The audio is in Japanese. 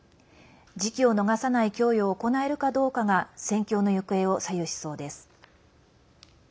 時期を逃さない供与を行えるかどうかが戦況の行方を左右しそうです。